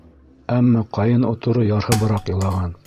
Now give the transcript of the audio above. Әммә Ҡайын оторо ярһыбыраҡ илаған.